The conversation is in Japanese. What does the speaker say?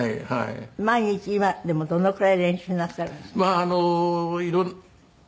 毎日今でもどのぐらい練習なさるんですか？